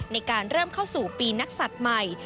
ในการเริ่มเข้าสู่ปีนักศัตริย์ใหม่